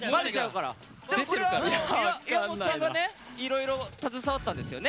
岩本さんがいろいろ携わったんですよね